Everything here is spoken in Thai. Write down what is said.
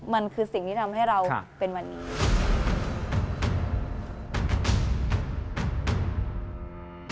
มันคือสิ่งที่ทำให้เราเป็นวันนี้